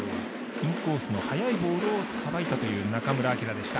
インコースの速いボールをさばいたという中村晃でした。